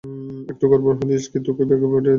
একটু গড়বড় হলে ইসাক্কি তোকে ভোগে পাঠিয়ে দিবে।